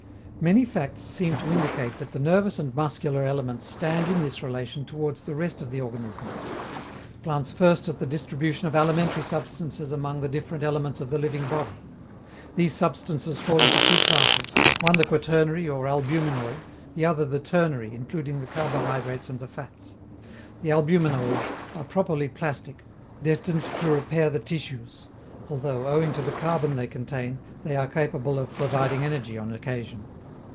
Many facts seem to indicate that the nervous and muscular elements stand in this relation towards the rest of the organism. Glance first at the distribution of alimentary substances among the different elements of the living body. These substances fall into two classes, one the quaternary or albuminoid, the other the ternary, including the carbohydrates and the fats. The albuminoids are properly plastic, destined to repair the tissues although, owing to the carbon they contain, they are capable of providing energy on occasion.